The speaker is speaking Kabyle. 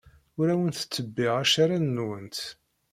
Ur awent-ttebbiɣ accaren-nwent.